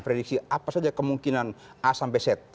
prediksi apa saja kemungkinan a sampai z